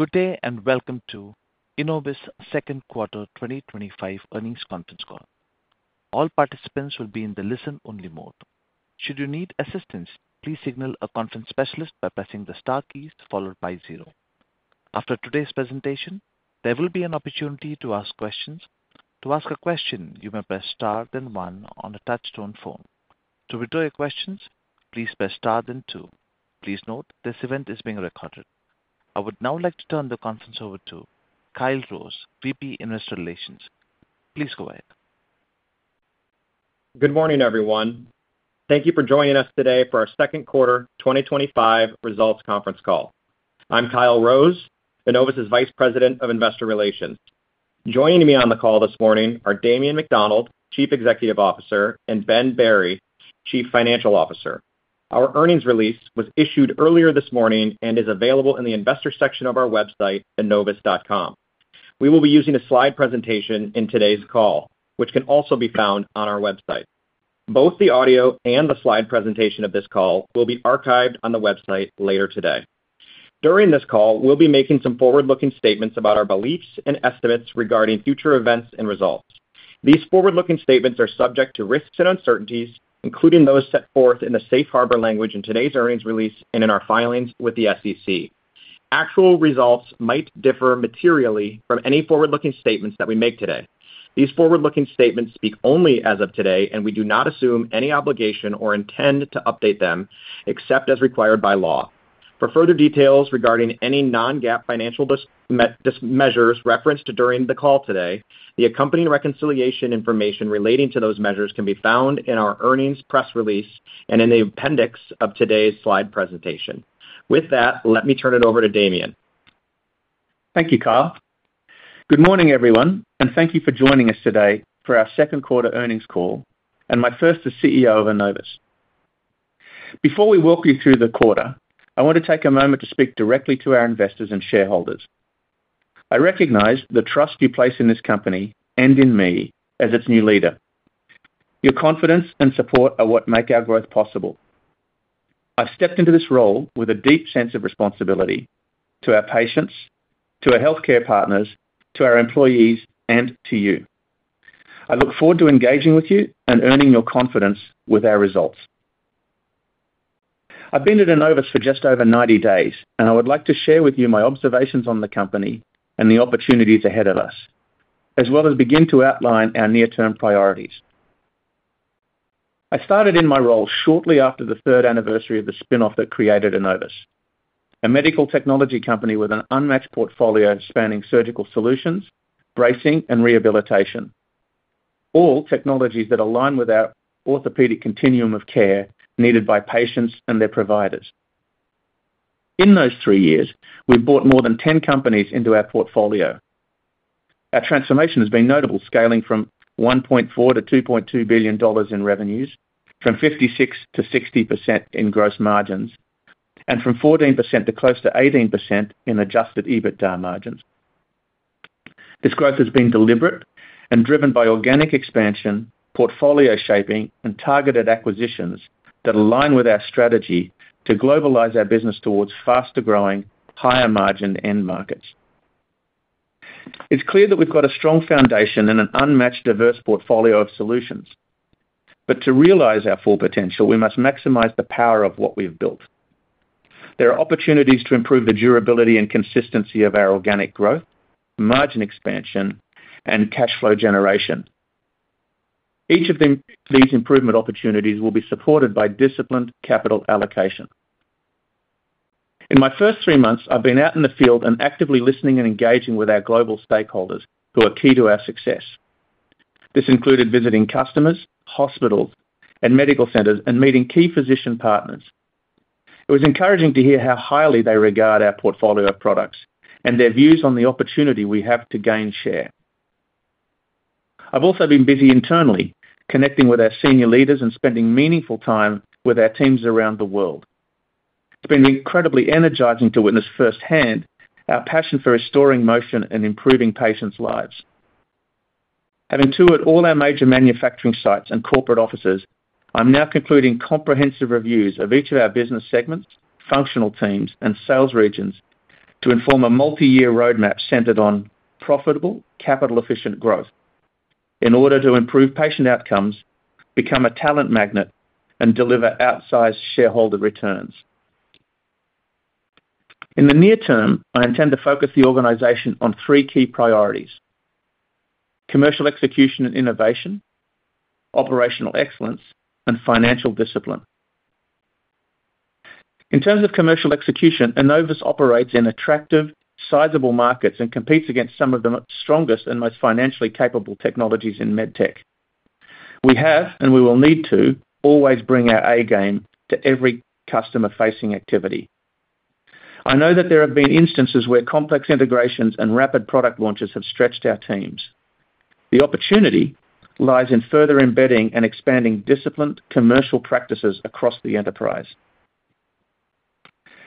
Good day and welcome to the Enovis Second Quarter 2025 Earnings Conference call. All participants will be in the listen-only mode. Should you need assistance, please signal a conference specialist by pressing the star keys followed by zero. After today's presentation, there will be an opportunity to ask questions. To ask a question, you may press star, then one on a touch-tone phone. To withdraw your questions, please press star, then two. Please note this event is being recorded. I would now like to turn the conference over to Kyle Rose, Vice President of Investor Relations. Please go ahead. Good morning, everyone. Thank you for joining us today for our Second Quarter 2025 Results Conference call. I'm Kyle Rose, Enovis' Vice President of Investor Relations. Joining me on the call this morning are Damien McDonald, Chief Executive Officer, and Ben Berry, Chief Financial Officer. Our earnings release was issued earlier this morning and is available in the Investor section of our website, enovis.com. We will be using a slide presentation in today's call, which can also be found on our website. Both the audio and the slide presentation of this call will be archived on the website later today. During this call, we'll be making some forward-looking statements about our beliefs and estimates regarding future events and results. These forward-looking statements are subject to risks and uncertainties, including those set forth in the Safe Harbor language in today's earnings release and in our filings with the SEC. Actual results might differ materially from any forward-looking statements that we make today. These forward-looking statements speak only as of today, and we do not assume any obligation or intent to update them except as required by law. For further details regarding any non-GAAP financial measures referenced during the call today, the accompanying reconciliation information relating to those measures can be found in our earnings press release and in the appendix of today's slide presentation. With that, let me turn it over to Damien. Thank you, Kyle. Good morning, everyone, and thank you for joining us today for our Second Quarter Earnings Call, and my first as CEO of Enovis. Before we walk you through the quarter, I want to take a moment to speak directly to our investors and shareholders. I recognize the trust you place in this company and in me as its new leader. Your confidence and support are what make our growth possible. I've stepped into this role with a deep sense of responsibility to our patients, to our healthcare partners, to our employees, and to you. I look forward to engaging with you and earning your confidence with our results. I've been at Enovis for just over 90 days, and I would like to share with you my observations on the company and the opportunities ahead of us, as well as begin to outline our near-term priorities. I started in my role shortly after the third anniversary of the spin-off that created Enovis, a medical technology company with an unmatched portfolio spanning surgical solutions, bracing, and rehabilitation, all technologies that align with our orthopedic continuum of care needed by patients and their providers. In those three years, we've brought more than 10 companies into our portfolio. Our transformation has been notable, scaling from $1.4 billion-$2.2 billion in revenues, from 56%-60% in gross margins, and from 14% to close to 18% in adjusted EBITDA margins. This growth has been deliberate and driven by organic expansion, portfolio shaping, and targeted acquisitions that align with our strategy to globalize our business towards faster-growing, higher-margin end markets. It's clear that we've got a strong foundation and an unmatched diverse portfolio of solutions. To realize our full potential, we must maximize the power of what we've built. There are opportunities to improve the durability and consistency of our organic growth, margin expansion, and cash flow generation. Each of these improvement opportunities will be supported by disciplined capital allocation. In my first three months, I've been out in the field and actively listening and engaging with our global stakeholders who are key to our success. This included visiting customers, hospitals, and medical centers, and meeting key physician partners. It was encouraging to hear how highly they regard our portfolio of products and their views on the opportunity we have to gain share. I've also been busy internally, connecting with our senior leaders and spending meaningful time with our teams around the world. It's been incredibly energizing to witness firsthand our passion for restoring motion and improving patients' lives. Having toured all our major manufacturing sites and corporate offices, I'm now concluding comprehensive reviews of each of our business segments, functional teams, and sales regions to inform a multi-year roadmap centered on profitable, capital-efficient growth in order to improve patient outcomes, become a talent magnet, and deliver outsized shareholder returns. In the near term, I intend to focus the organization on three key priorities: commercial execution and innovation, operational excellence, and financial discipline. In terms of commercial execution, Enovis operates in attractive, sizable markets and competes against some of the strongest and most financially capable technologies in medtech. We have, and we will need to always bring our A-game to every customer-facing activity. I know that there have been instances where complex integrations and rapid product launches have stretched our teams. The opportunity lies in further embedding and expanding disciplined commercial practices across the enterprise.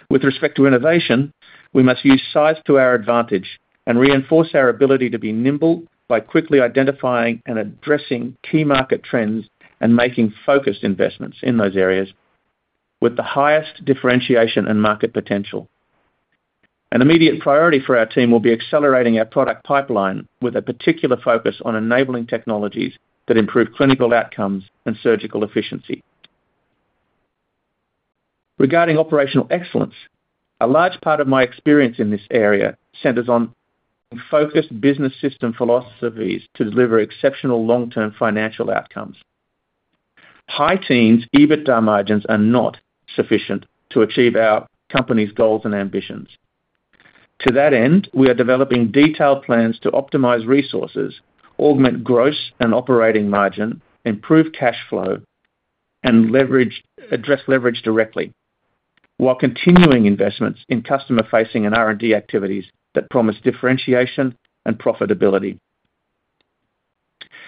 With respect to innovation, we must use size to our advantage and reinforce our ability to be nimble by quickly identifying and addressing key market trends and making focused investments in those areas with the highest differentiation and market potential. An immediate priority for our team will be accelerating our product pipeline with a particular focus on enabling technologies that improve clinical outcomes and surgical efficiency. Regarding operational excellence, a large part of my experience in this area centers on focused business system philosophies to deliver exceptional long-term financial outcomes. High teams' EBITDA margins are not sufficient to achieve our company's goals and ambitions. To that end, we are developing detailed plans to optimize resources, augment gross and operating margin, improve cash flow, and address leverage directly while continuing investments in customer-facing and R&D activities that promise differentiation and profitability.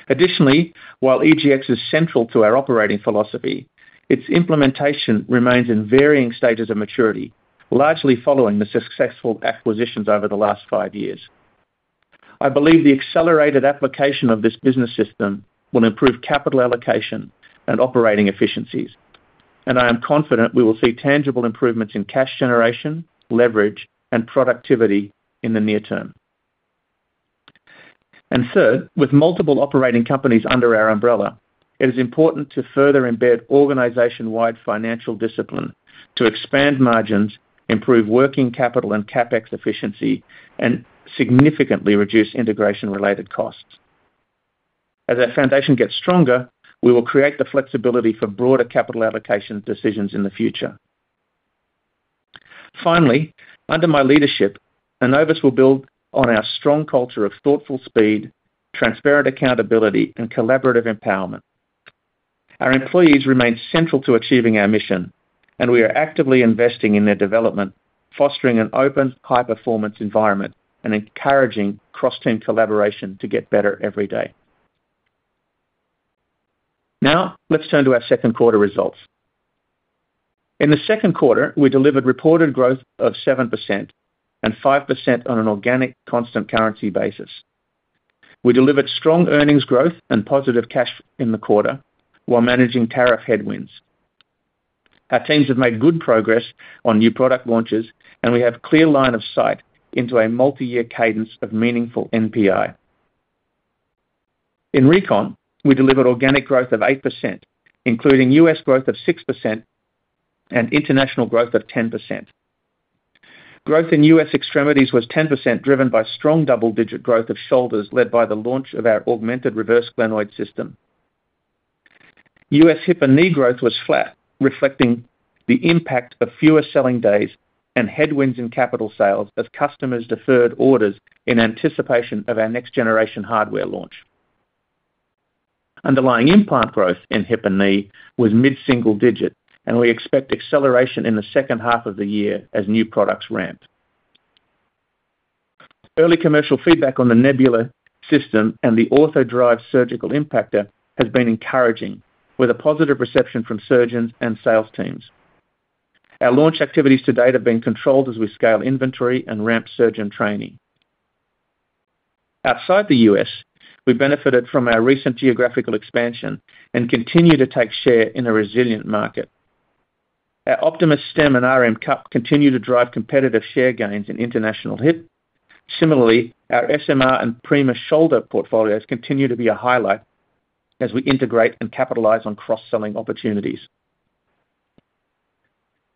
Additionally, while EGX business system is central to our operating philosophy, its implementation remains in varying stages of maturity, largely following the successful acquisitions over the last five years. I believe the accelerated application of this business system will improve capital allocation and operating efficiencies, and I am confident we will see tangible improvements in cash generation, leverage, and productivity in the near term. With multiple operating companies under our umbrella, it is important to further embed organization-wide financial discipline to expand margins, improve working capital and CapEx efficiency, and significantly reduce integration-related costs. As our foundation gets stronger, we will create the flexibility for broader capital allocation decisions in the future. Finally, under my leadership, Enovis will build on our strong culture of thoughtful speed, transparent accountability, and collaborative empowerment. Our employees remain central to achieving our mission, and we are actively investing in their development, fostering an open, high-performance environment, and encouraging cross-team collaboration to get better every day. Now, let's turn to our second quarter results. In the second quarter, we delivered reported growth of 7% and 5% on an organic, constant currency basis. We delivered strong earnings growth and positive cash flow in the quarter while managing tariff headwinds. Our teams have made good progress on new product launches, and we have a clear line of sight into a multi-year cadence of meaningful NPI. In recon, we delivered organic growth of 8%, including U.S. growth of 6% and international growth of 10%. Growth in U.S. extremities was 10%, driven by strong double-digit growth of shoulders led by the launch of our Augmented Reverse Glenoid system. U.S. hip and knee growth was flat, reflecting the impact of fewer selling days and headwinds in capital sales as customers deferred orders in anticipation of our next-generation hardware launch. Underlying implant growth in hip and knee was mid-single digit, and we expect acceleration in the second half of the year as new products ramp. Early commercial feedback on the Nebula hip system and the OrthoDrive surgical impactor has been encouraging, with a positive reception from surgeons and sales teams. Our launch activities to date have been controlled as we scale inventory and ramp surgeon training. Outside the U.S., we benefited from our recent geographical expansion and continue to take share in a resilient market. Our Optimus stem and RM cup continue to drive competitive share gains in international hip. Similarly, our SMR and Prima shoulder portfolios continue to be a highlight as we integrate and capitalize on cross-selling opportunities.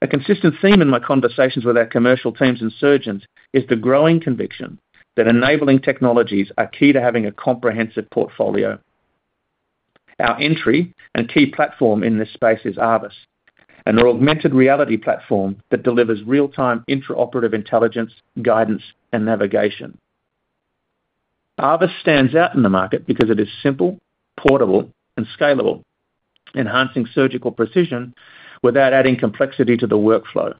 A consistent theme in my conversations with our commercial teams and surgeons is the growing conviction that enabling technologies are key to having a comprehensive portfolio. Our entry and key platform in this space is ARVIS, an augmented reality platform that delivers real-time intraoperative intelligence, guidance, and navigation. ARVIS stands out in the market because it is simple, portable, and scalable, enhancing surgical precision without adding complexity to the workflow.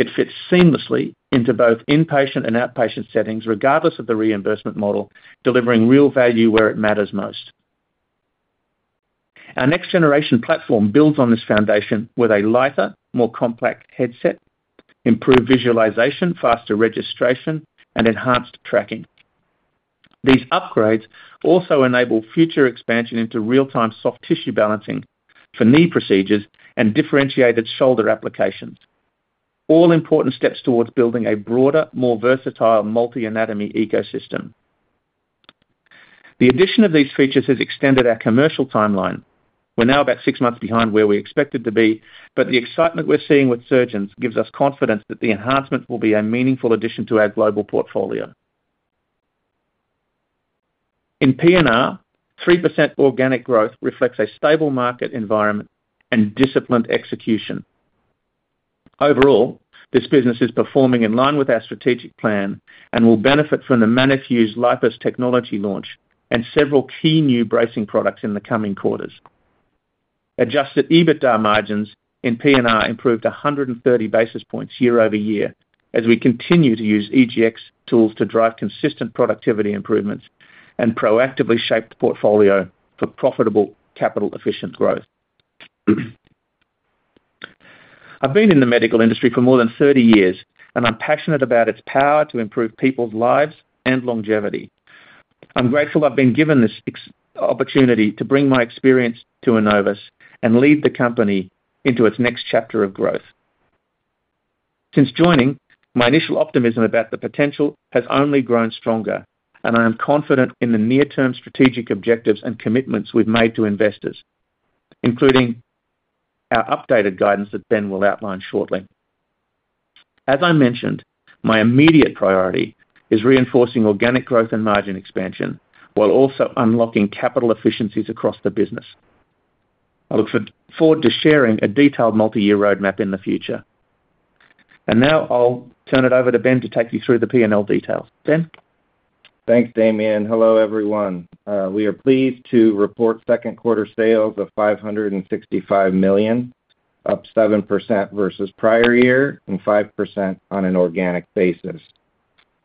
It fits seamlessly into both inpatient and outpatient settings, regardless of the reimbursement model, delivering real value where it matters most. Our next-generation platform builds on this foundation with a lighter, more compact headset, improved visualization, faster registration, and enhanced tracking. These upgrades also enable future expansion into real-time soft tissue balancing for knee procedures and differentiated shoulder applications, all important steps towards building a broader, more versatile multi-anatomy ecosystem. The addition of these features has extended our commercial timeline. We're now about six months behind where we expected to be, but the excitement we're seeing with surgeons gives us confidence that the enhancement will be a meaningful addition to our global portfolio. In bracing and rehabilitation (P&R), 3% organic growth reflects a stable market environment and disciplined execution. Overall, this business is performing in line with our strategic plan and will benefit from the manifest LIPUS technology launch and several key new bracing products in the coming quarters. Adjusted EBITDA margins in P&R improved 130 basis points year-over-year as we continue to use EGX business system tools to drive consistent productivity improvements and proactively shape the portfolio for profitable, capital-efficient growth. I've been in the medical industry for more than 30 years, and I'm passionate about its power to improve people's lives and longevity. I'm grateful I've been given this opportunity to bring my experience to Enovis and lead the company into its next chapter of growth. Since joining, my initial optimism about the potential has only grown stronger, and I am confident in the near-term strategic objectives and commitments we've made to investors, including our updated guidance that Ben will outline shortly. As I mentioned, my immediate priority is reinforcing organic growth and margin expansion while also unlocking capital efficiencies across the business. I look forward to sharing a detailed multi-year roadmap in the future. I'll turn it over to Ben to take you through the P&L details. Ben? Thanks, Damien. Hello, everyone. We are pleased to report second quarter sales of $565 million, up 7% versus prior year and 5% on an organic basis.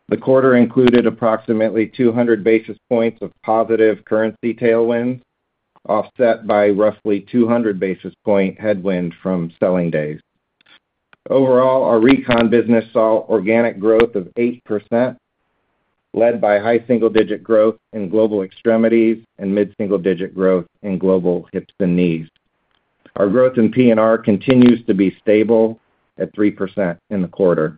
The quarter included approximately 200 basis points of positive currency tailwind, offset by roughly 200 basis point headwind from selling days. Overall, our recon business saw organic growth of 8%, led by high single-digit growth in global extremities and mid-single-digit growth in global hips and knees. Our growth in P&R continues to be stable at 3% in the quarter.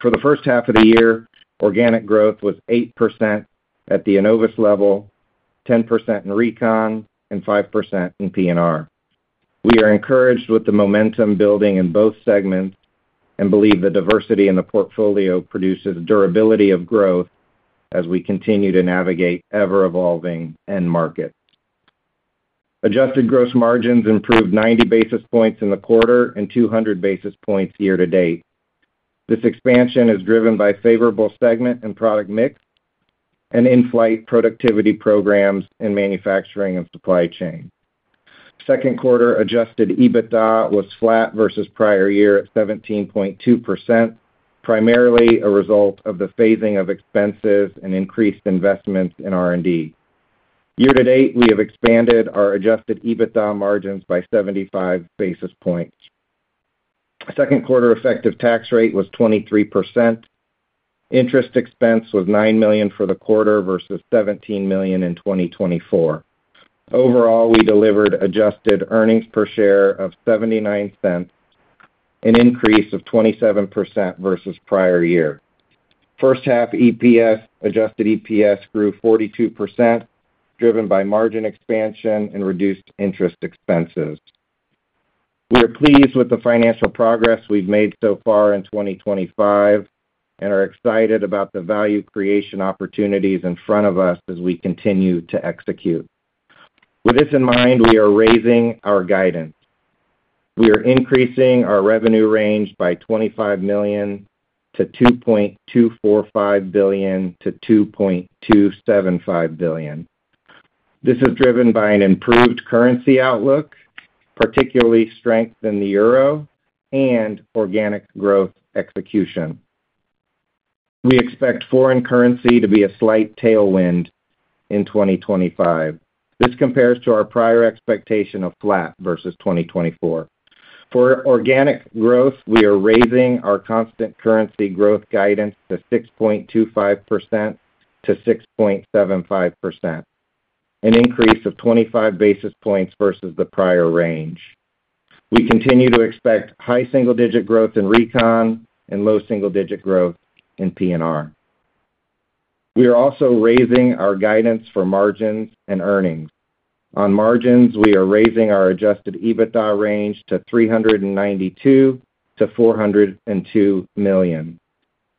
For the first half of the year, organic growth was 8% at the Enovis level, 10% in recon, and 5% in P&R. We are encouraged with the momentum building in both segments and believe the diversity in the portfolio produces durability of growth as we continue to navigate ever-evolving end markets. Adjusted gross margins improved 90 basis points in the quarter and 200 basis points year to date. This expansion is driven by favorable segment and product mix and in-flight productivity programs in manufacturing and supply chain. Second quarter adjusted EBITDA was flat versus prior year at 17.2%, primarily a result of the phasing of expenses and increased investments in R&D. Year to date, we have expanded our adjusted EBITDA margins by 75 basis points. Second quarter effective tax rate was 23%. Interest expense was $9 million for the quarter versus $17 million in 2024. Overall, we delivered adjusted earnings per share of $0.79, an increase of 27% versus prior year. First half adjusted EPS grew 42%, driven by margin expansion and reduced interest expenses. We are pleased with the financial progress we've made so far in 2025 and are excited about the value creation opportunities in front of us as we continue to execute. With this in mind, we are raising our guidance. We are increasing our revenue range by $25 million to $2.245 billion-$2.275 billion. This is driven by an improved currency outlook, particularly strength in the euro and organic growth execution. We expect foreign currency to be a slight tailwind in 2025. This compares to our prior expectation of flat versus 2024. For organic growth, we are raising our constant currency growth guidance to 6.25%-6.75%, an increase of 25 basis points versus the prior range. We continue to expect high single-digit growth in recon and low single-digit growth in P&R. We are also raising our guidance for margins and earnings. On margins, we are raising our adjusted EBITDA range to $392 million-$402 million.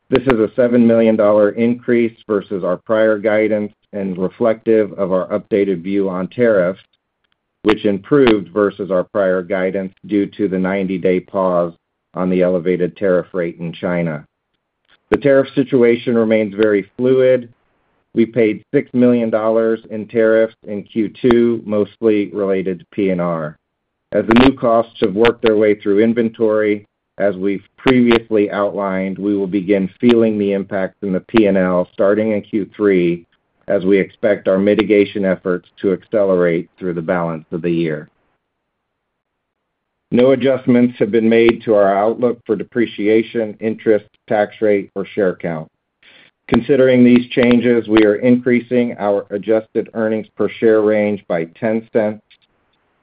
This is a $7 million increase versus our prior guidance and reflective of our updated view on tariffs, which improved versus our prior guidance due to the 90-day pause on the elevated tariff rate in China. The tariff situation remains very fluid. We paid $6 million in tariffs in Q2, mostly related to P&R. As the new costs have worked their way through inventory, as we've previously outlined, we will begin feeling the impacts in the P&L starting in Q3, as we expect our mitigation efforts to accelerate through the balance of the year. No adjustments have been made to our outlook for depreciation, interest, tax rate, or share count. Considering these changes, we are increasing our adjusted EPS range by $0.10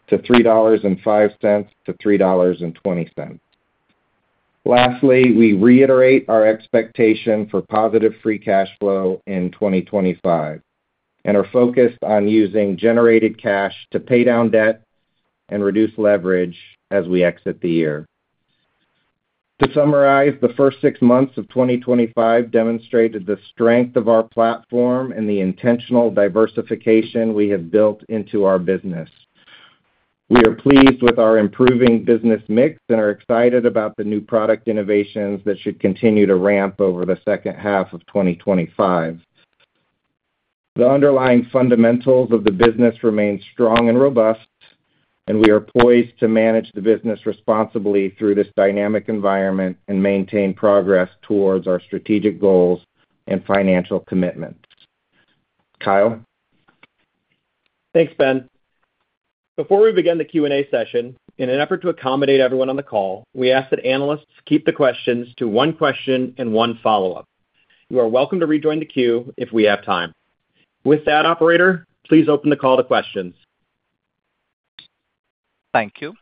to $3.05-$3.20. Lastly, we reiterate our expectation for positive free cash flow in 2025 and are focused on using generated cash to pay down debt and reduce leverage as we exit the year. To summarize, the first six months of 2025 demonstrated the strength of our platform and the intentional diversification we have built into our business. We are pleased with our improving business mix and are excited about the new product innovations that should continue to ramp over the second half of 2025. The underlying fundamentals of the business remain strong and robust, and we are poised to manage the business responsibly through this dynamic environment and maintain progress towards our strategic goals and financial commitments. Kyle? Thanks, Ben. Before we begin the Q&A session, in an effort to accommodate everyone on the call, we ask that analysts keep the questions to one question and one follow-up. You are welcome to rejoin the queue if we have time. With that, operator, please open the call to questions. Thank you.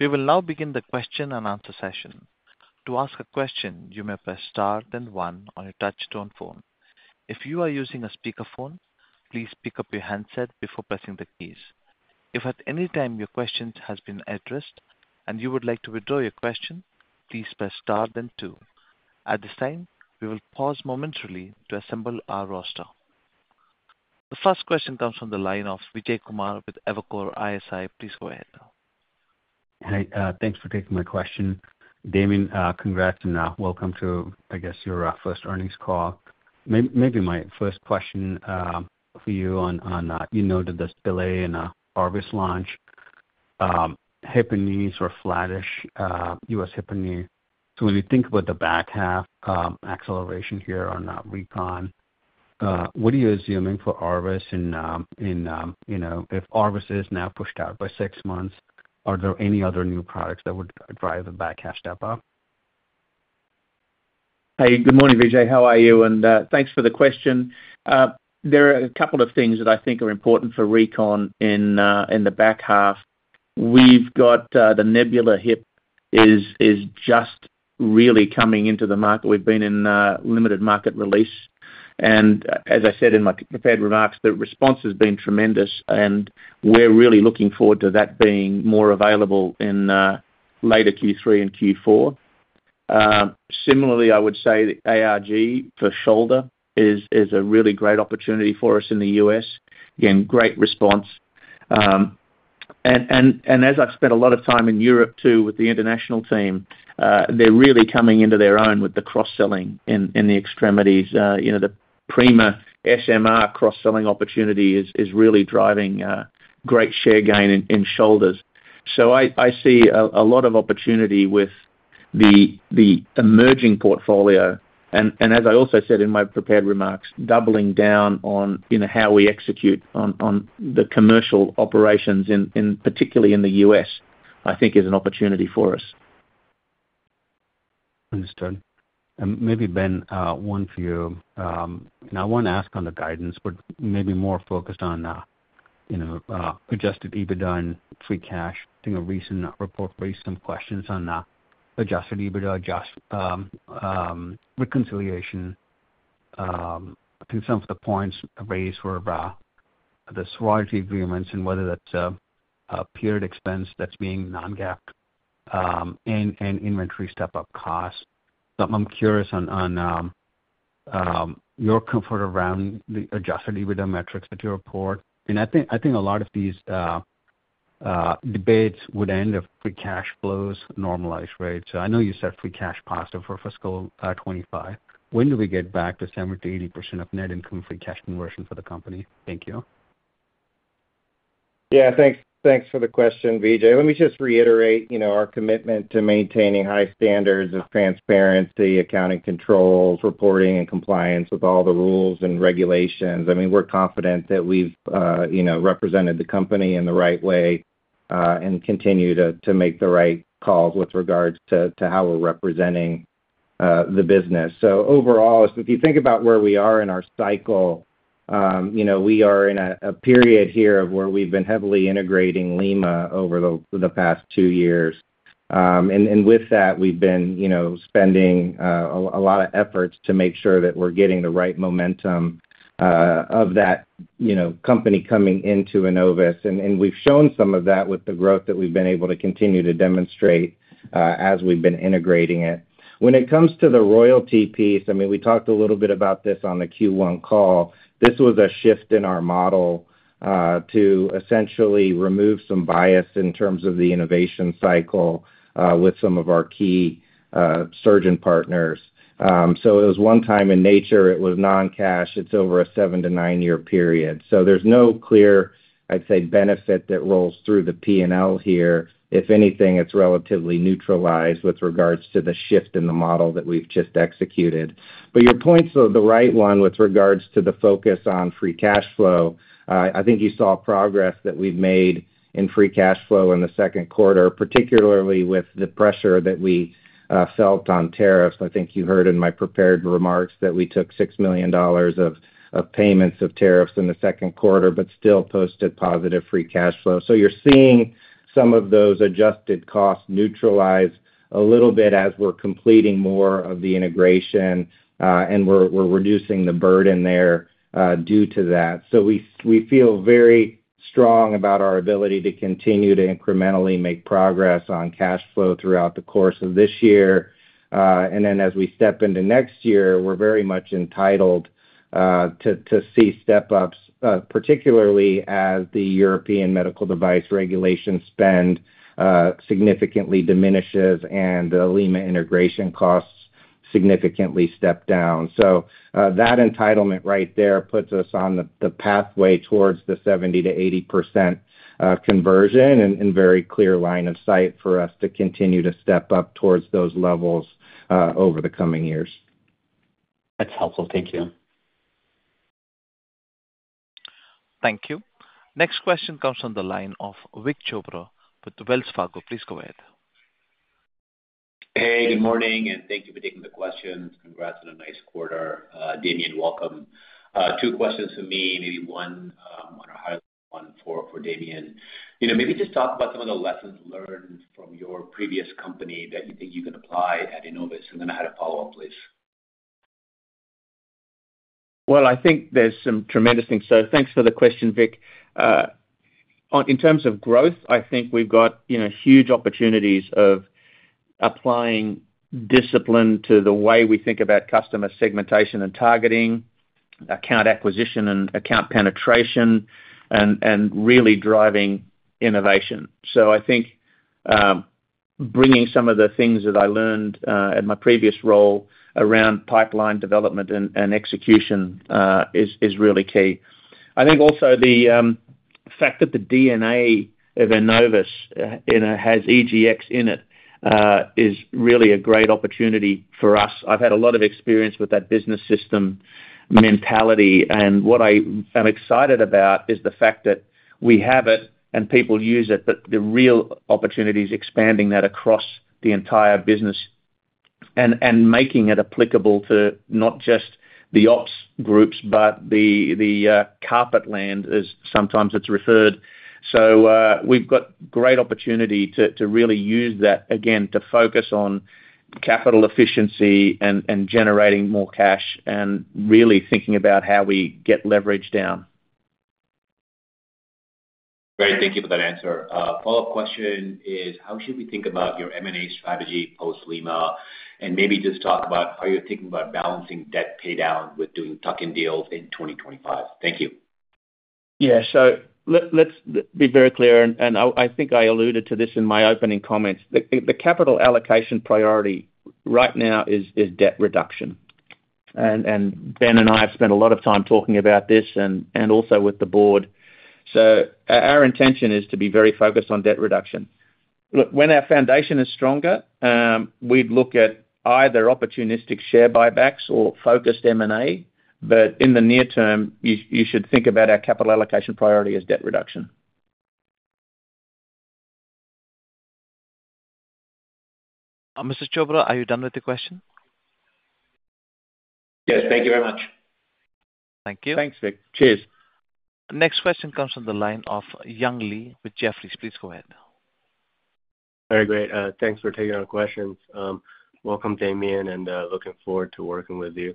We will now begin the question and answer session. To ask a question, you may press star, then one on your touch-tone phone. If you are using a speakerphone, please pick up your handset before pressing the keys. If at any time your question has been addressed and you would like to withdraw your question, please press star, then two. At this time, we will pause momentarily to assemble our roster. The first question comes from the line of Vijay Kumar with Evercore ISI. Please go ahead now. Hey, thanks for taking my question. Damien, congrats and welcome to, I guess, your first earnings call. Maybe my first question for you, you noted this delay in our ARVIS launch. Hip and knees were flattish, U.S. hip and knee. When you think about the back half acceleration here on recon, what are you assuming for ARVIS? If ARVIS is now pushed out by six months, are there any other new products that would drive the back half step up? Hey, good morning, Vijay. How are you? Thanks for the question. There are a couple of things that I think are important for recon in the back half. We've got the Nebula hip is just really coming into the market. We've been in limited market release. As I said in my prepared remarks, the response has been tremendous, and we're really looking forward to that being more available in later Q3 and Q4. Similarly, I would say the ARG for shoulder is a really great opportunity for us in the U.S. Again, great response. As I've spent a lot of time in Europe too with the international team, they're really coming into their own with the cross-selling in the extremities. The prima SMR cross-selling opportunity is really driving great share gain in shoulders. I see a lot of opportunity with the emerging portfolio. As I also said in my prepared remarks, doubling down on how we execute on the commercial operations, particularly in the U.S., I think is an opportunity for us. Understood. Maybe, Ben, one for you. I want to ask on the guidance, but maybe more focused on adjusted EBITDA and free cash. I think a recent report raised some questions on adjusted EBITDA, adjusted reconciliation. I think some of the points raised were about the surrogate agreements and whether that's a period expense that's being non-GAAPed and inventory step-up costs. I'm curious on your comfort around the adjusted EBITDA metrics that you report. I think a lot of these debates would end if free cash flows normalize rates. I know you said free cash positive for fiscal 2025. When do we get back to 70%-80% of net income free cash conversion for the company? Thank you. Yeah, thanks for the question, Vijay. Let me just reiterate our commitment to maintaining high standards of transparency, accounting controls, reporting, and compliance with all the rules and regulations. We're confident that we've represented the company in the right way and continue to make the right calls with regards to how we're representing the business. Overall, if you think about where we are in our cycle, we are in a period here where we've been heavily integrating Lima over the past two years. With that, we've been spending a lot of efforts to make sure that we're getting the right momentum of that company coming into Enovis. We've shown some of that with the growth that we've been able to continue to demonstrate as we've been integrating it. When it comes to the royalty piece, we talked a little bit about this on the Q1 call. This was a shift in our model to essentially remove some bias in terms of the innovation cycle with some of our key surgeon partners. It was one-time in nature. It was non-cash. It's over a seven to nine-year period. There's no clear benefit that rolls through the P&L here. If anything, it's relatively neutralized with regards to the shift in the model that we've just executed. Your point's the right one with regards to the focus on free cash flow. I think you saw progress that we've made in free cash flow in the second quarter, particularly with the pressure that we felt on tariffs. I think you heard in my prepared remarks that we took $6 million of payments of tariffs in the second quarter, but still posted positive free cash flow. You're seeing some of those adjusted costs neutralize a little bit as we're completing more of the integration and we're reducing the burden there due to that. We feel very strong about our ability to continue to incrementally make progress on cash flow throughout the course of this year. As we step into next year, we're very much entitled to see step-ups, particularly as the European medical device regulation spend significantly diminishes and the Lima integration costs significantly step down. That entitlement right there puts us on the pathway towards the 70%-80% conversion and a very clear line of sight for us to continue to step up towards those levels over the coming years. That's helpful. Thank you. Thank you. Next question comes from the line of Vik Chopra with Wells Fargo. Please go ahead. Hey, good morning, and thank you for taking the questions. Congrats on a nice quarter. Damien, welcome. Two questions for me, maybe one on a high one for Damien. Maybe just talk about some of the lessons learned from your previous company that you think you can apply at Enovis. I had a follow-up, please. Thank you for the question, Vik. In terms of growth, I think we've got huge opportunities of applying discipline to the way we think about customer segmentation and targeting, account acquisition, and account penetration, and really driving innovation. I think bringing some of the things that I learned at my previous role around pipeline development and execution is really key. I think also the fact that the DNA of Enovis has EGX business system in it is really a great opportunity for us. I've had a lot of experience with that business system mentality. What I am excited about is the fact that we have it and people use it, but the real opportunity is expanding that across the entire business and making it applicable to not just the ops groups, but the carpet land, as sometimes it's referred. We've got great opportunity to really use that, again, to focus on capital efficiency and generating more cash and really thinking about how we get leverage down. Great. Thank you for that answer. Follow-up question is, how should we think about your M&A strategy post-Lima? Maybe just talk about how you're thinking about balancing debt paydown with doing tuck-in deals in 2025. Thank you. Let's be very clear. I think I alluded to this in my opening comments. The capital allocation priority right now is debt reduction. Ben and I have spent a lot of time talking about this and also with the board. Our intention is to be very focused on debt reduction. When our foundation is stronger, we'd look at either opportunistic share buybacks or focused M&A. In the near term, you should think about our capital allocation priority as debt reduction. Mr. Chopra, are you done with the question? Yes, thank you very much. Thank you. Thanks, Vik. Cheers. Next question comes from the line of Young Li with Jefferies. Please go ahead now. Very great. Thanks for taking our questions. Welcome, Damien, and looking forward to working with you.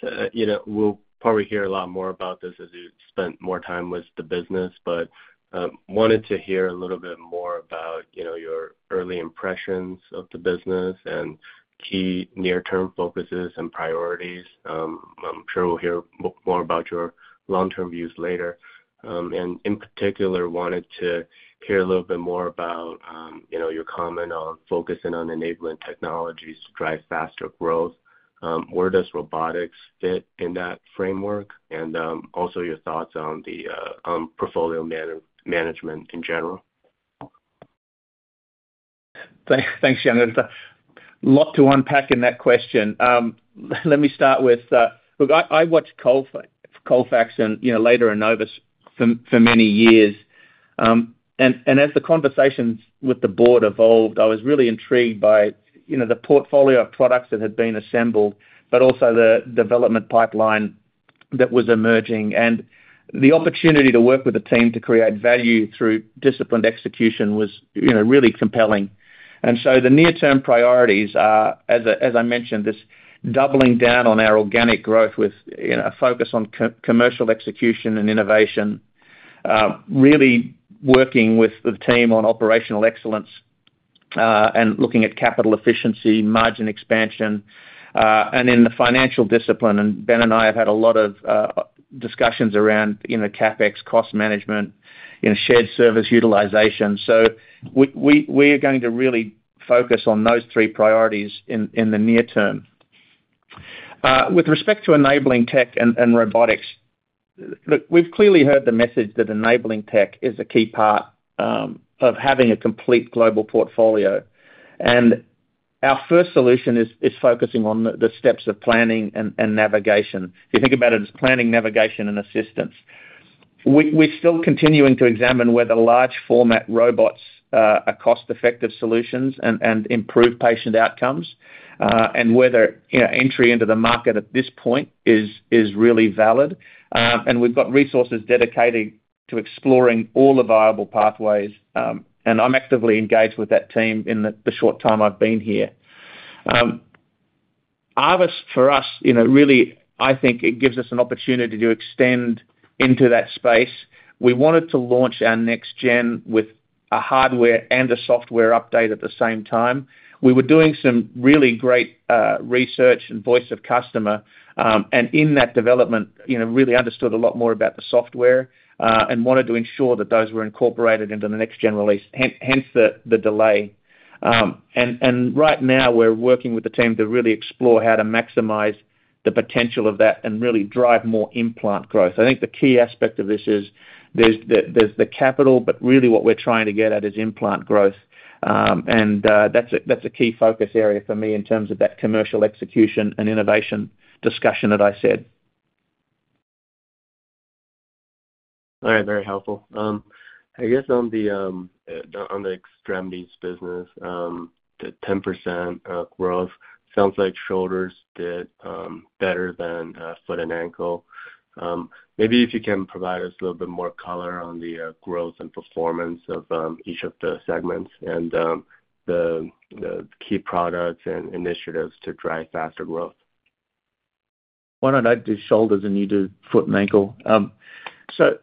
We'll probably hear a lot more about this as you spend more time with the business, but I wanted to hear a little bit more about your early impressions of the business and key near-term focuses and priorities. I'm sure we'll hear more about your long-term views later. In particular, I wanted to hear a little bit more about your comment on focusing on enabling technologies to drive faster growth. Where does robotics fit in that framework? Also, your thoughts on the portfolio management in general. Thanks, Young. A lot to unpack in that question. Let me start with, look, I watched Colfax and later Enovis for many years. As the conversations with the board evolved, I was really intrigued by the portfolio of products that had been assembled, but also the development pipeline that was emerging. The opportunity to work with the team to create value through disciplined execution was really compelling. The near-term priorities are, as I mentioned, this doubling down on our organic growth with a focus on commercial execution and innovation, really working with the team on operational excellence and looking at capital efficiency, margin expansion, and in the financial discipline. Ben and I have had a lot of discussions around CapEx cost management, shared service utilization. We are going to really focus on those three priorities in the near term. With respect to enabling tech and robotics, we've clearly heard the message that enabling tech is a key part of having a complete global portfolio. Our first solution is focusing on the steps of planning and navigation. If you think about it as planning, navigation, and assistance, we're still continuing to examine whether large-format robots are cost-effective solutions and improve patient outcomes and whether entry into the market at this point is really valid. We've got resources dedicated to exploring all the viable pathways. I'm actively engaged with that team in the short time I've been here. ARVIS, for us, really, I think it gives us an opportunity to extend into that space. We wanted to launch our next gen with a hardware and a software update at the same time. We were doing some really great research and voice of customer. In that development, we really understood a lot more about the software and wanted to ensure that those were incorporated into the next-gen release, hence the delay. Right now, we're working with the team to really explore how to maximize the potential of that and really drive more implant growth. I think the key aspect of this is there's the capital, but really what we're trying to get at is implant growth. That's a key focus area for me in terms of that commercial execution and innovation discussion that I said. All right, very helpful. I guess on the extremities business, the 10% growth sounds like shoulders did better than foot and ankle. Maybe if you can provide us a little bit more color on the growth and performance of each of the segments and the key products and initiatives to drive faster growth. Why don't I do shoulders and you do foot and ankle? The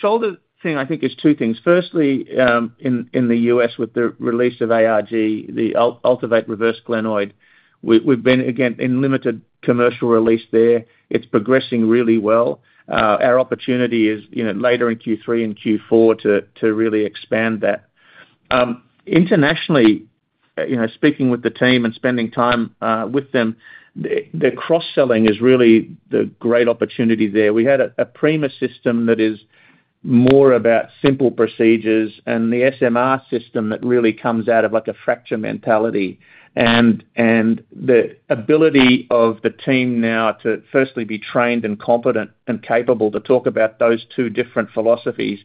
shoulder thing I think is two things. Firstly, in the U.S. with the release of ARG (Augmented Reverse Glenoid), we've been, again, in limited commercial release there. It's progressing really well. Our opportunity is later in Q3 and Q4 to really expand that. Internationally, speaking with the team and spending time with them, the cross-selling is really the great opportunity there. We had a Prima system that is more about simple procedures and the SMR system that really comes out of like a fracture mentality. The ability of the team now to firstly be trained and competent and capable to talk about those two different philosophies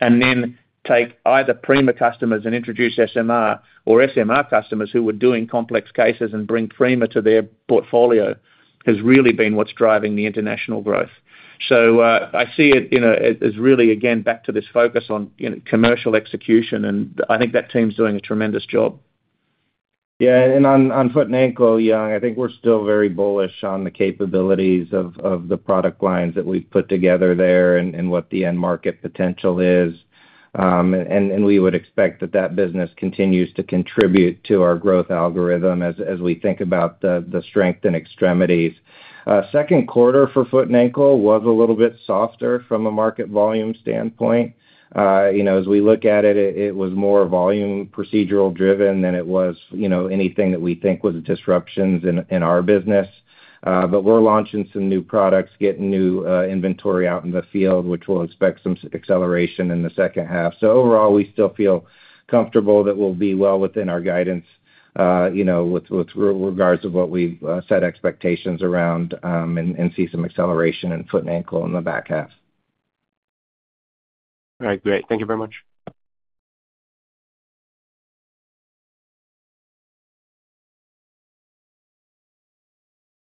and then take either Prima customers and introduce SMR or SMR customers who were doing complex cases and bring Prima to their portfolio has really been what's driving the international growth. I see it as really, again, back to this focus on commercial execution. I think that team's doing a tremendous job. Yeah, on foot and ankle, I think we're still very bullish on the capabilities of the product lines that we've put together there and what the end market potential is. We would expect that that business continues to contribute to our growth algorithm as we think about the strength and extremities. Second quarter for foot and ankle was a little bit softer from a market volume standpoint. As we look at it, it was more volume procedural driven than it was anything that we think was disruptions in our business. We're launching some new products, getting new inventory out in the field, which we'll expect some acceleration in the second half. Overall, we still feel comfortable that we'll be well within our guidance with regards to what we set expectations around and see some acceleration in foot and ankle in the back half. All right, great. Thank you very much.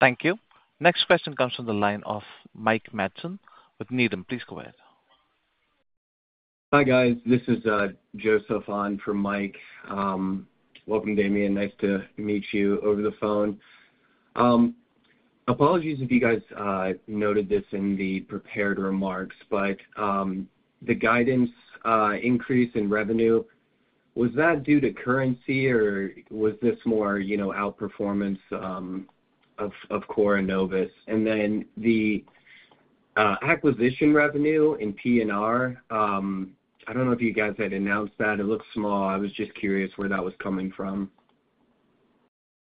Thank you. Next question comes from the line of Mike Matson with Needham. Please go ahead. Hi, guys. This is Joseph on for Mike. Welcome, Damien. Nice to meet you over the phone. Apologies if you guys noted this in the prepared remarks, but the guidance increase in revenue, was that due to currency or was this more, you know, outperformance of Core and Enovis? The acquisition revenue in P&R, I don't know if you guys had announced that. It looks small. I was just curious where that was coming from.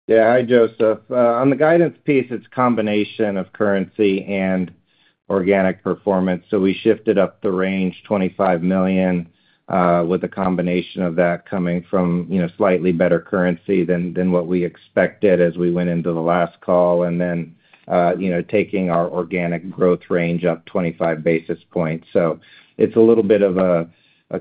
Yeah, hi, Joseph. On the guidance piece, it's a combination of currency and organic performance. We shifted up the range to $25 million with a combination of that coming from slightly better currency than what we expected as we went into the last call, and then taking our organic growth range up 25 basis points. It's a little bit of a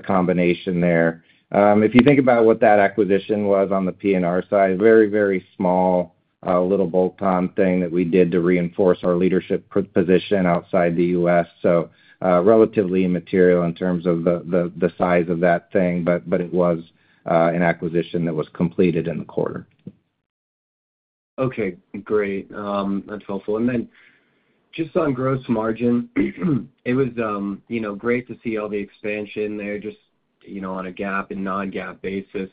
combination there. If you think about what that acquisition was on the P&R side, very, very small, a little bolt-on thing that we did to reinforce our leadership position outside the U.S. Relatively immaterial in terms of the size of that thing, but it was an acquisition that was completed in the quarter. Okay, great. That's helpful. Just on gross margin, it was great to see all the expansion there on a GAAP and non-GAAP basis.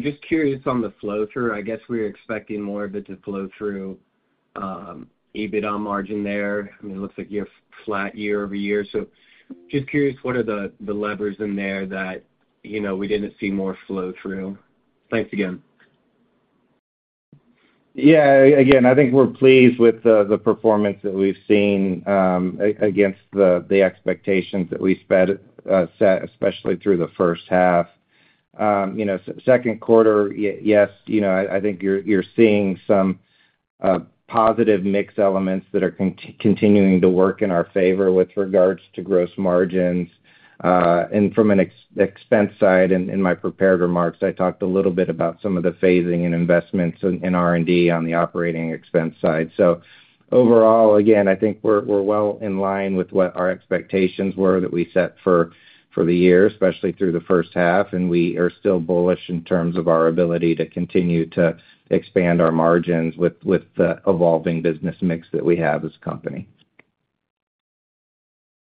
Just curious on the flow-through. I guess we were expecting more of it to flow through EBITDA margin there. It looks like you're flat year-over-year. Just curious, what are the levers in there that we didn't see more flow-through? Thanks again. Yeah, again, I think we're pleased with the performance that we've seen against the expectations that we set, especially through the first half. Second quarter, yes, I think you're seeing some positive mix elements that are continuing to work in our favor with regards to gross margins. From an expense side, in my prepared remarks, I talked a little bit about some of the phasing and investments in R&D on the operating expense side. Overall, again, I think we're well in line with what our expectations were that we set for the year, especially through the first half. We are still bullish in terms of our ability to continue to expand our margins with the evolving business mix that we have as a company.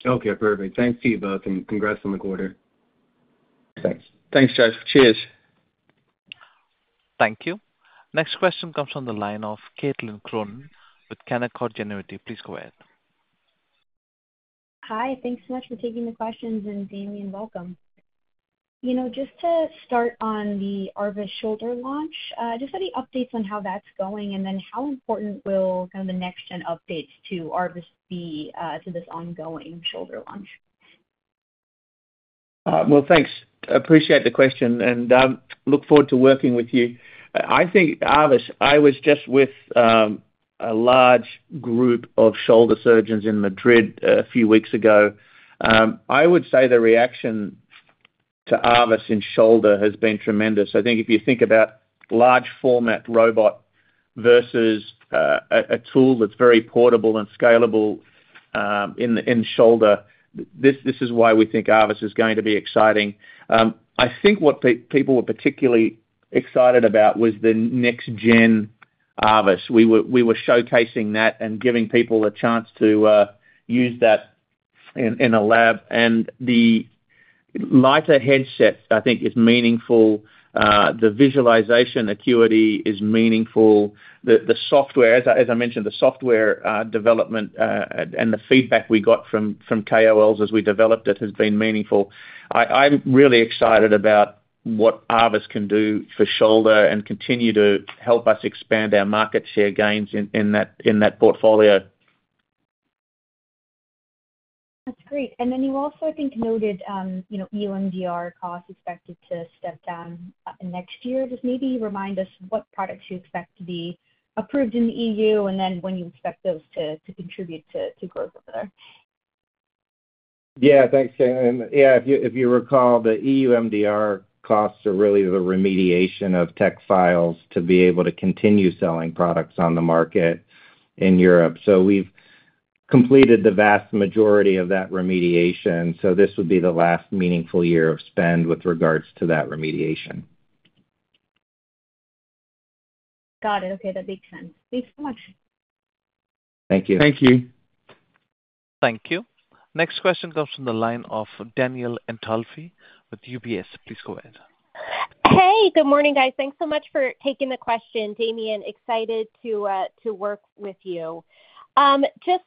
Okay, perfect. Thanks to you both and congrats on the quarter. Thanks. Thanks, Joe. Cheers. Thank you. Next question comes from the line of Caitlin Cronin with Canaccord Genuity. Please go ahead. Hi, thanks so much for taking the questions and, Damien, welcome. Just to start on the ARVIS shoulder launch, any updates on how that's going and then how important will kind of the next-gen updates to ARVIS be to this ongoing shoulder launch? Thank you. I appreciate the question and look forward to working with you. I think ARVIS, I was just with a large group of shoulder surgeons in Madrid a few weeks ago. I would say the reaction to ARVIS in shoulder has been tremendous. I think if you think about large-format robot versus a tool that's very portable and scalable in shoulder, this is why we think ARVIS is going to be exciting. I think what people were particularly excited about was the next-gen ARVIS. We were showcasing that and giving people a chance to use that in a lab. The lighter headset, I think, is meaningful. The visualization acuity is meaningful. The software, as I mentioned, the software development and the feedback we got from KOLs as we developed it has been meaningful. I'm really excited about what ARVIS can do for shoulder and continue to help us expand our market share gains in that portfolio. That's great. You also, I think, noted EU MDR costs expected to step down next year. Just maybe remind us what products you expect to be approved in the EU and when you expect those to contribute to growth there. Yeah, thanks, Jamie. If you recall, the EU MDR costs are really the remediation of tech files to be able to continue selling products on the market in Europe. We've completed the vast majority of that remediation. This would be the last meaningful year of spend with regards to that remediation. Got it. Okay, that makes sense. Thanks so much. Thank you. Thank you. Thank you. Next question comes from the line of Danielle Antalffy with UBS. Please go ahead. Hey, good morning, guys. Thanks so much for taking the question. Damien, excited to work with you. Just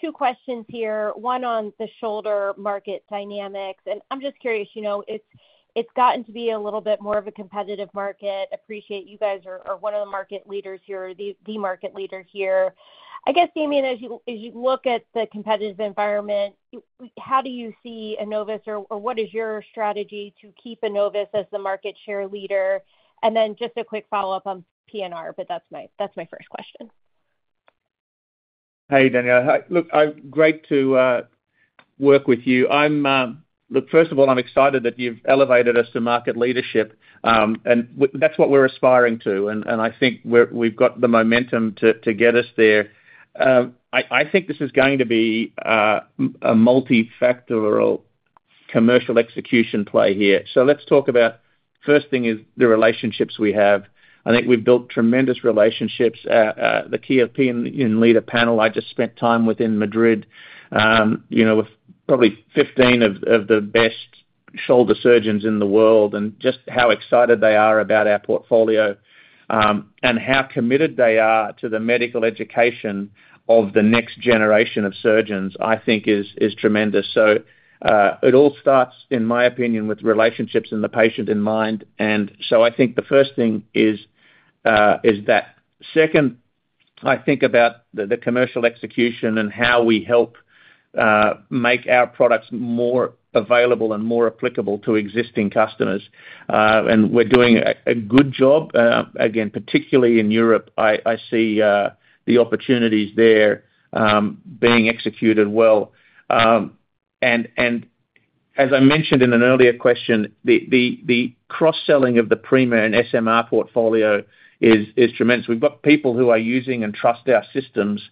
two questions here. One on the shoulder market dynamics. I'm just curious, you know, it's gotten to be a little bit more of a competitive market. Appreciate you guys are one of the market leaders here, or the market leader here. I guess, Damien, as you look at the competitive environment, how do you see Enovis, or what is your strategy to keep Enovis as the market share leader? Just a quick follow-up on P&R, but that's my first question. Hey, Danielle. Great to work with you. First of all, I'm excited that you've elevated us to market leadership. That's what we're aspiring to, and I think we've got the momentum to get us there. I think this is going to be a multifactorial commercial execution play here. Let's talk about the first thing, which is the relationships we have. I think we've built tremendous relationships. The key opinion leader panel I just spent time with in Madrid, with probably 15 of the best shoulder surgeons in the world, and just how excited they are about our portfolio and how committed they are to the medical education of the next generation of surgeons, I think is tremendous. It all starts, in my opinion, with relationships and the patient in mind. I think the first thing is that. Second, I think about the commercial execution and how we help make our products more available and more applicable to existing customers. We're doing a good job. Particularly in Europe, I see the opportunities there being executed well. As I mentioned in an earlier question, the cross-selling of the Prima and SMR portfolio is tremendous. We've got people who are using and trust our systems.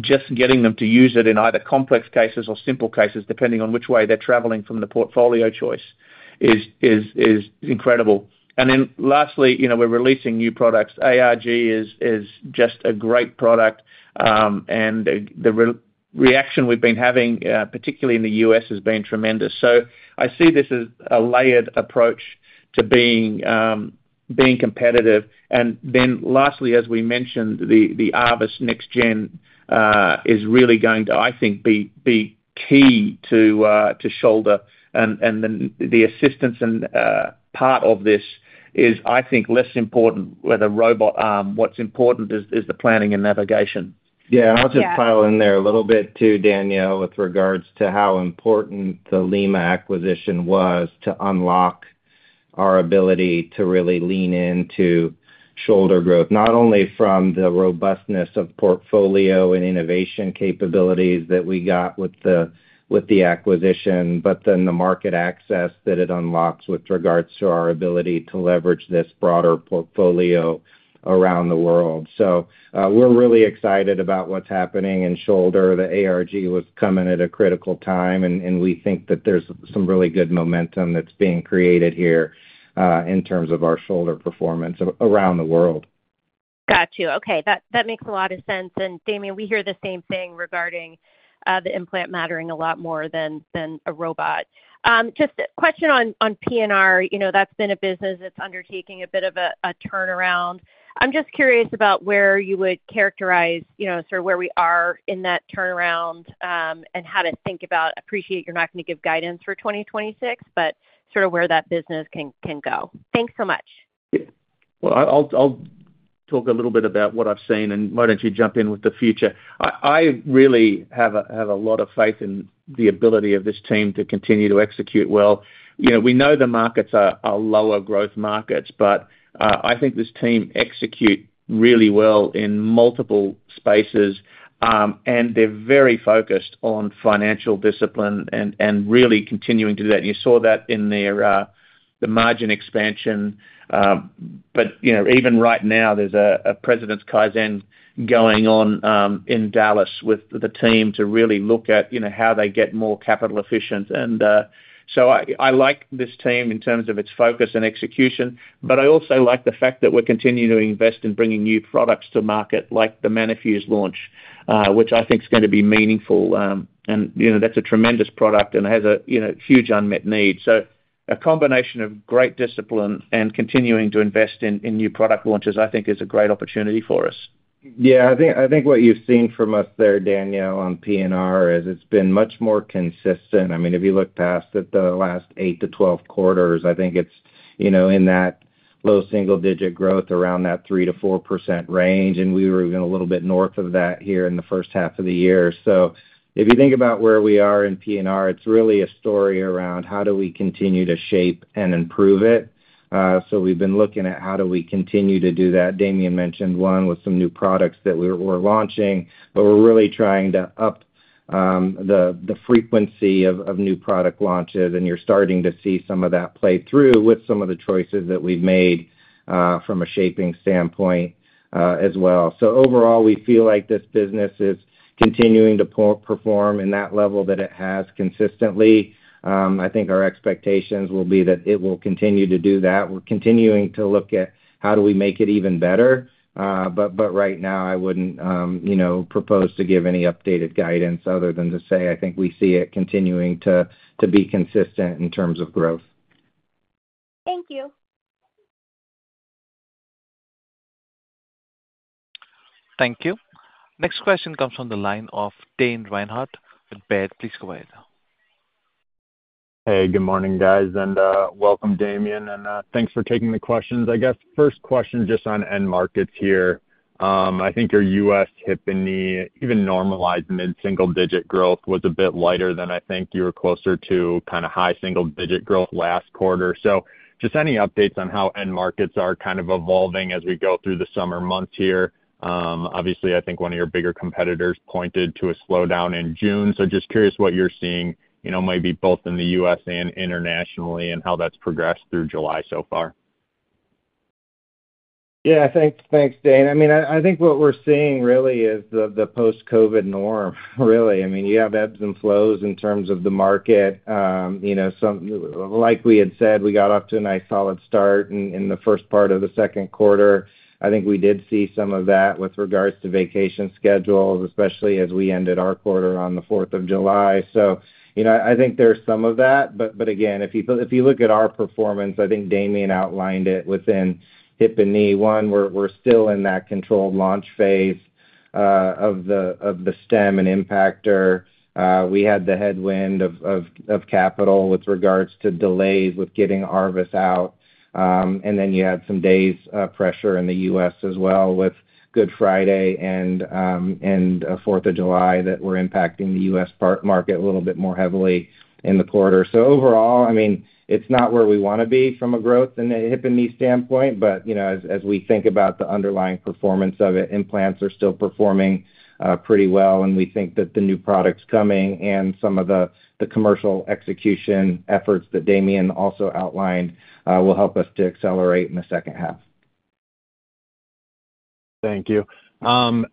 Just getting them to use it in either complex cases or simple cases, depending on which way they're traveling from the portfolio choice, is incredible. Lastly, we're releasing new products. ARG is just a great product, and the reaction we've been having, particularly in the U.S., has been tremendous. I see this as a layered approach to being competitive. As we mentioned, the ARVIS next-gen is really going to, I think, be key to shoulder. The assistance and part of this is, I think, less important with a robot arm. What's important is the planning and navigation. I'll just pile in there a little bit too, Danielle, with regards to how important the Lima acquisition was to unlock our ability to really lean into shoulder growth, not only from the robustness of portfolio and innovation capabilities that we got with the acquisition, but then the market access that it unlocks with regards to our ability to leverage this broader portfolio around the world. We're really excited about what's happening in shoulder. The ARG was coming at a critical time, and we think that there's some really good momentum that's being created here in terms of our shoulder performance around the world. Got you. Okay, that makes a lot of sense. Damien, we hear the same thing regarding the implant mattering a lot more than a robot. Just a question on P&R. That's been a business that's undertaking a bit of a turnaround. I'm just curious about where you would characterize where we are in that turnaround and how to think about, appreciate you're not going to give guidance for 2026, but where that business can go. Thanks so much. I'll talk a little bit about what I've seen, and why don't you jump in with the future? I really have a lot of faith in the ability of this team to continue to execute well. We know the markets are lower growth markets, but I think this team executes really well in multiple spaces. They're very focused on financial discipline and really continuing to do that. You saw that in their margin expansion. Even right now, there's a President's Kaizen going on in Dallas with the team to really look at how they get more capital efficient. I like this team in terms of its focus and execution, but I also like the fact that we're continuing to invest in bringing new products to market, like the Manifuse launch, which I think is going to be meaningful. That's a tremendous product and it has a huge unmet need. A combination of great discipline and continuing to invest in new product launches, I think, is a great opportunity for us. Yeah, I think what you've seen from us there, Danielle, on P&R is it's been much more consistent. If you look past the last 8-12 quarters, I think it's in that low single-digit growth around that 3%-4% range, and we were even a little bit north of that here in the first half of the year. If you think about where we are in P&R, it's really a story around how do we continue to shape and improve it. We've been looking at how do we continue to do that. Damien mentioned one with some new products that we're launching, but we're really trying to up the frequency of new product launches. You're starting to see some of that play through with some of the choices that we've made from a shaping standpoint as well. Overall, we feel like this business is continuing to perform in that level that it has consistently. I think our expectations will be that it will continue to do that. We're continuing to look at how do we make it even better. Right now, I wouldn't propose to give any updated guidance other than to say I think we see it continuing to be consistent in terms of growth. Thank you. Thank you. Next question comes from the line of Dane Reinhardt with Baird. Please go ahead. Hey, good morning, guys, and welcome, Damien, and thanks for taking the questions. I guess first question just on end markets here. I think your U.S. hip and knee, even normalized mid-single-digit growth, was a bit lighter than I think you were closer to kind of high single-digit growth last quarter. Just any updates on how end markets are kind of evolving as we go through the summer months here. Obviously, I think one of your bigger competitors pointed to a slowdown in June. Just curious what you're seeing, you know, maybe both in the U.S. and internationally and how that's progressed through July so far. Yeah, thanks, Dane. I mean, I think what we're seeing really is the post-COVID norm, really. I mean, you have ebbs and flows in terms of the market. Like we had said, we got off to a nice solid start in the first part of the second quarter. I think we did see some of that with regards to vacation schedules, especially as we ended our quarter on the 4th of July. I think there's some of that. If you look at our performance, I think Damien outlined it within hip and knee. One, we're still in that controlled launch phase of the stem and impactor. We had the headwind of capital with regards to delays with getting ARVIS out. You had some days' pressure in the U.S. as well with Good Friday and 4th of July that were impacting the U.S. market a little bit more heavily in the quarter. Overall, it's not where we want to be from a growth and a hip and knee standpoint. As we think about the underlying performance of it, implants are still performing pretty well. We think that the new products coming and some of the commercial execution efforts that Damien also outlined will help us to accelerate in the second half. Thank you. On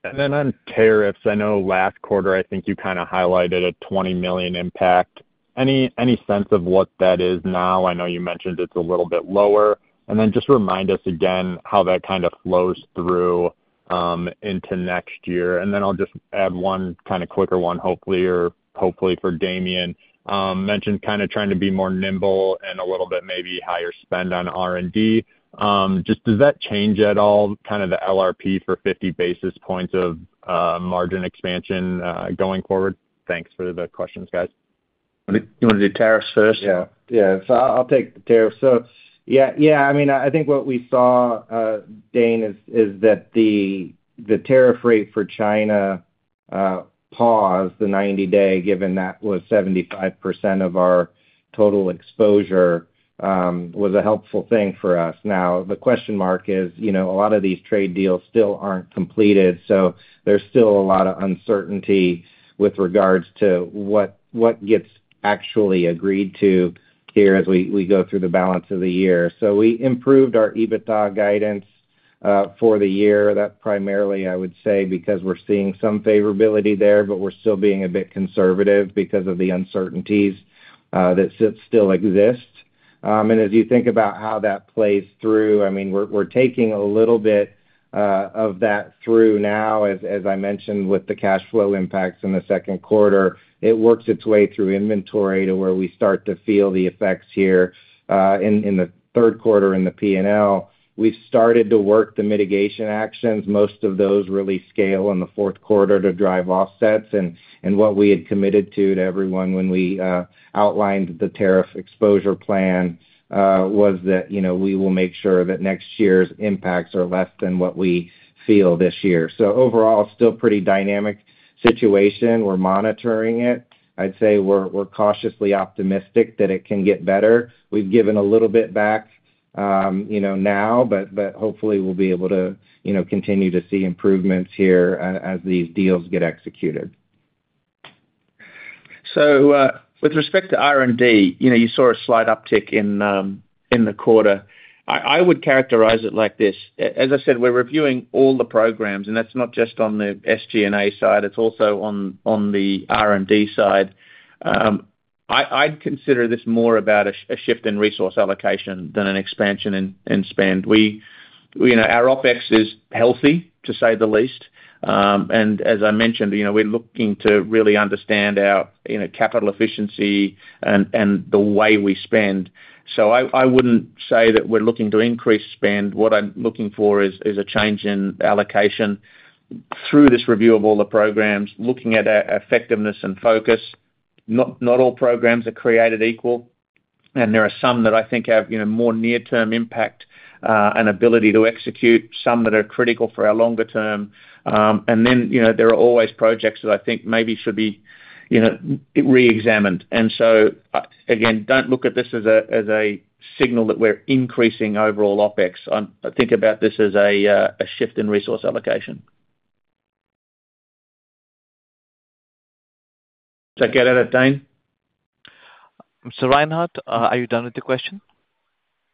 tariffs, I know last quarter, you kind of highlighted a $20 million impact. Any sense of what that is now? I know you mentioned it's a little bit lower. Just remind us again how that kind of flows through into next year. I'll just add one kind of quicker one, hopefully for Damien. Mentioned kind of trying to be more nimble and a little bit maybe higher spend on R&D. Does that change at all the LRP for 50 basis points of margin expansion going forward? Thanks for the questions, guys. You want to do tariffs first? I'll take the tariffs. I think what we saw, Dane, is that the tariff rate for China paused the 90-day, given that was 75% of our total exposure, was a helpful thing for us. The question mark is, a lot of these trade deals still aren't completed. There's still a lot of uncertainty with regards to what gets actually agreed to here as we go through the balance of the year. We improved our EBITDA guidance for the year. That's primarily, I would say, because we're seeing some favorability there, but we're still being a bit conservative because of the uncertainties that still exist. As you think about how that plays through, we're taking a little bit of that through now. As I mentioned with the cash flow impacts in the second quarter, it works its way through inventory to where we start to feel the effects here in the third quarter in the P&L. We've started to work the mitigation actions. Most of those really scale in the fourth quarter to drive offsets. What we had committed to everyone when we outlined the tariff exposure plan was that we will make sure that next year's impacts are less than what we feel this year. Overall, still a pretty dynamic situation. We're monitoring it. I'd say we're cautiously optimistic that it can get better. We've given a little bit back now, but hopefully we'll be able to continue to see improvements here as these deals get executed. With respect to R&D, you saw a slight uptick in the quarter. I would characterize it like this. As I said, we're reviewing all the programs, and that's not just on the SG&A side. It's also on the R&D side. I'd consider this more about a shift in resource allocation than an expansion in spend. Our OpEx is healthy, to say the least. As I mentioned, we're looking to really understand our capital efficiency and the way we spend. I wouldn't say that we're looking to increase spend. What I'm looking for is a change in allocation through this review of all the programs, looking at effectiveness and focus. Not all programs are created equal. There are some that I think have more near-term impact and ability to execute, some that are critical for our longer term. There are always projects that I think maybe should be re-examined. Again, don't look at this as a signal that we're increasing overall OpEx. I think about this as a shift in resource allocation. Did I get at it, Dane? Mr. Reinhardt, are you done with the question?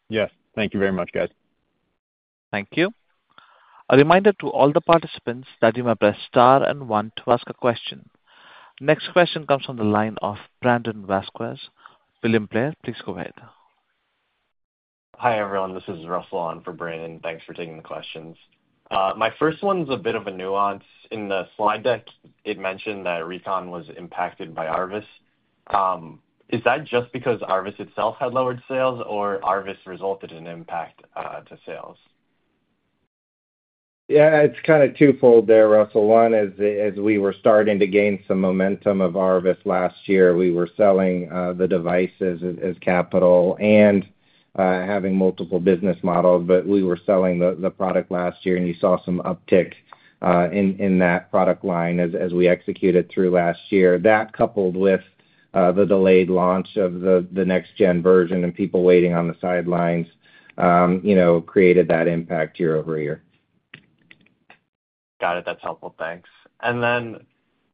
Yes, thank you very much, guys. Thank you. A reminder to all the participants that you may press star and one to ask a question. Next question comes from the line of Brandon Vasquez, William Blair. Please go ahead. Hi, everyone. This is Russell on for Brandon. Thanks for taking the questions. My first one is a bit of a nuance. In the slide deck, it mentioned that recon was impacted by ARVIS. Is that just because ARVIS itself had lowered sales, or ARVIS resulted in an impact to sales? Yeah, it's kind of twofold there, Russell. One, as we were starting to gain some momentum of ARVIS last year, we were selling the devices as capital and having multiple business models. We were selling the product last year, and you saw some uptick in that product line as we executed through last year. That, coupled with the delayed launch of the next-gen version and people waiting on the sidelines, created that impact year-over-year. Got it. That's helpful. Thanks.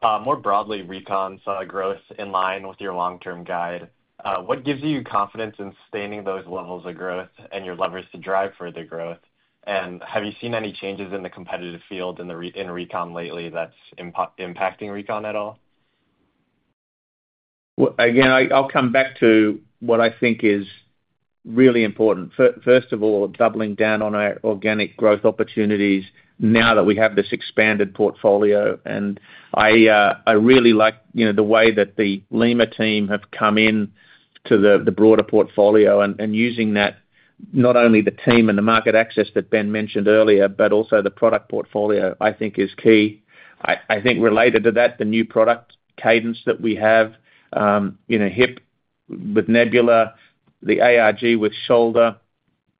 More broadly, recon saw growth in line with your long-term guide. What gives you confidence in sustaining those levels of growth and your levers to drive further growth? Have you seen any changes in the competitive field in recon lately that's impacting recon at all? Again, I'll come back to what I think is really important. First of all, doubling down on our organic growth opportunities now that we have this expanded portfolio. I really like the way that the Lima team have come into the broader portfolio and using that, not only the team and the market access that Ben mentioned earlier, but also the product portfolio, I think, is key. I think related to that, the new product cadence that we have, you know, hip with Nebula, the ARG with shoulder.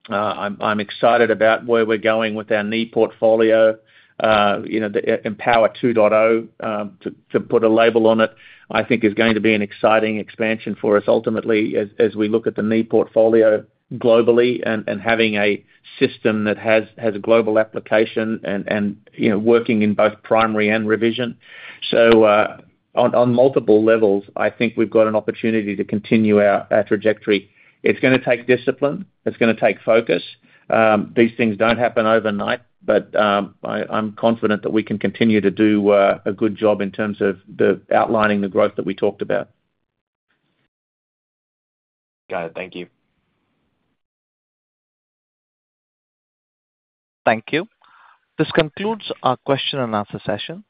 I'm excited about where we're going with our knee portfolio. You know, the EMPOWR 2.0, to put a label on it, I think is going to be an exciting expansion for us ultimately as we look at the knee portfolio globally and having a system that has global application and, you know, working in both primary and revision. On multiple levels, I think we've got an opportunity to continue our trajectory. It's going to take discipline. It's going to take focus. These things don't happen overnight, but I'm confident that we can continue to do a good job in terms of outlining the growth that we talked about. Got it. Thank you. Thank you. This concludes our question and answer session.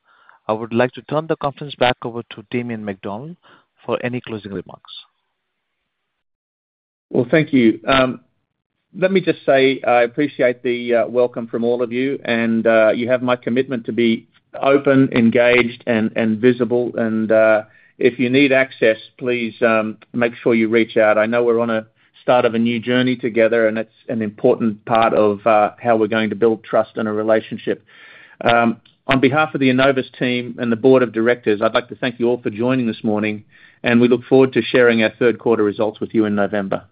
I would like to turn the conference back over to Damien McDonald for any closing remarks. Thank you. Let me just say I appreciate the welcome from all of you, and you have my commitment to be open, engaged, and visible. If you need access, please make sure you reach out. I know we're on the start of a new journey together, and it's an important part of how we're going to build trust in a relationship. On behalf of the Enovis team and the board of directors, I'd like to thank you all for joining this morning, and we look forward to sharing our third quarter results with you in November.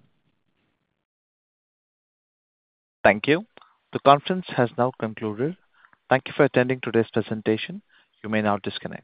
Thank you. The conference has now concluded. Thank you for attending today's presentation. You may now disconnect.